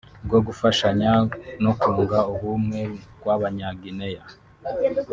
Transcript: bwo gufashanya no kunga ubumwe kw’aba nya Guineya